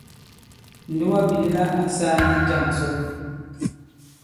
Ǹdugabìlɛla ǎ sāā ndī njâŋ ǹsɔn ?